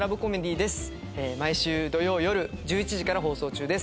毎週土曜よる１１時から放送中です。